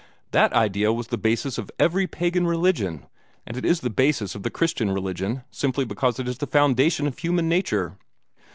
That idea was the basis of every pagan religion, and it is the basis of the Christian religion, simply because it is the foundation of human nature.